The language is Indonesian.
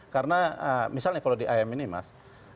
karena misalnya kalau di ayam ini mas